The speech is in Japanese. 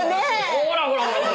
ほらほらほら！